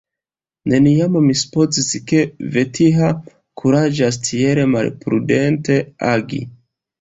Neniam mi supozis, ke Vetiha kuraĝas tiel malprudente agi.